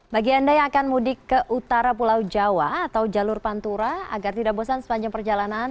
bagi anda yang akan mudik ke utara pulau jawa atau jalur pantura agar tidak bosan sepanjang perjalanan